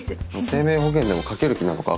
生命保険でもかける気なのか？